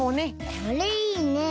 これいいね！